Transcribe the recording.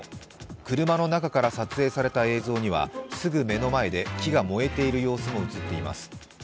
車の中から撮影された映像ではすぐ目の前で木が燃えている様子も映っています。